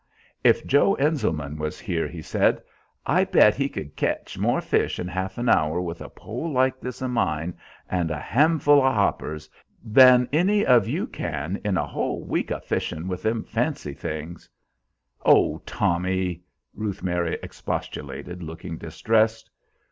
"If Joe Enselman was here," he said, "I bet he could ketch more fish in half 'n hour, with a pole like this o' mine and a han'ful o' 'hoppers, than any of you can in a whole week o' fishing with them fancy things." "Oh, Tommy!" Ruth Mary expostulated, looking distressed.